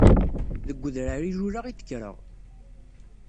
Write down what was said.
Deg udrar i luleɣ i d-kkreɣ.